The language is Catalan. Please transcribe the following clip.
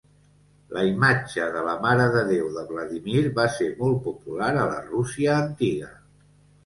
La imatge de la marededéu de Vladímir va ser molt popular a la Rússia antiga.